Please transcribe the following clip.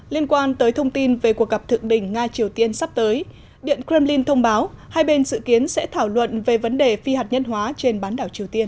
liên quan tới thông tin về cuộc gặp thượng đỉnh nga triều tiên sắp tới điện kremlin thông báo hai bên dự kiến sẽ thảo luận về vấn đề phi hạt nhân hóa trên bán đảo triều tiên